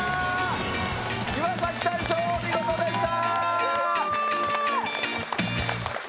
岩崎大昇、お見事でした。